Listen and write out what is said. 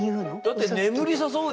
だって「眠り誘う」